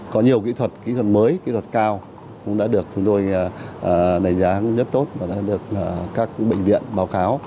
có nhiều kỹ thuật kỹ thuật mới kỹ thuật cao cũng đã được chúng tôi đánh giá rất tốt và đã được các bệnh viện báo cáo